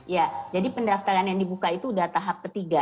ya jadi pendaftaran yang dibuka itu sudah tahap ketiga